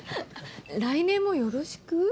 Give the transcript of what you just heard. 来年もよろしく？